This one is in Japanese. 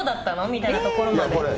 みたいなところまで。